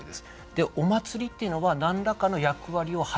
でお祭りっていうのは何らかの役割を果たしていく。